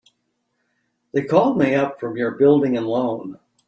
They called me up from your Building and Loan.